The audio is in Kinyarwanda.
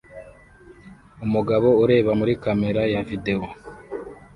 Umugabo ureba muri kamera ya videwo